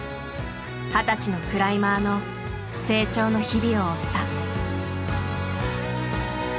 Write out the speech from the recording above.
二十歳のクライマーの成長の日々を追った。